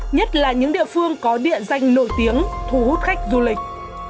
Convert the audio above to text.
nhất là những địa phương có địa danh nổi tiếng thu hút khách du lịch